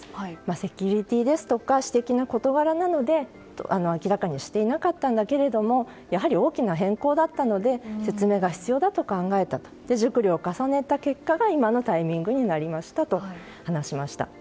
セキュリティーですとか私的な事柄なので明らかにしていなかったけれどもやはり大きな変更だったので説明が必要だと考えて熟慮を重ねた結果が今のタイミングになりましたと話しました。